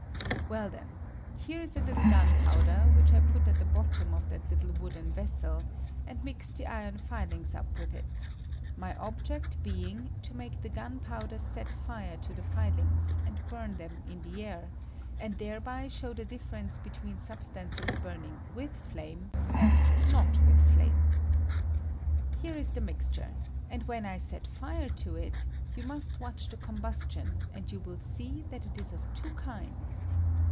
Well, then, here is a little gun powder, which I put at the bottom of that httle wooden vessel, and mix the iron fihngs up with it, my objeet being to make the gunpowder set fire to the filings and bum them in the air, and thereby show the difference between substances burning with flame and not with flame. Here is the mixture ; and when I set fire to it you mast watch the combustion, and you will see that it is of two kinds.